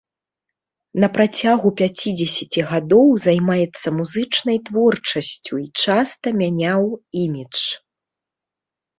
На працягу пяцідзесяці гадоў займаецца музычнай творчасцю і часта мяняў імідж.